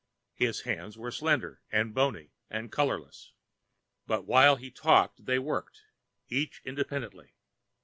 His hands were slender and bony and colorless, but while he talked they worked, each independently.